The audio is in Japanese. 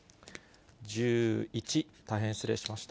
１１、大変失礼しました。